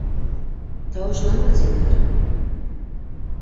Тауышланма, зинһар...